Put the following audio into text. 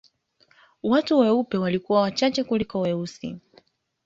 Watu weupe walikuwa wachache kuliko weusi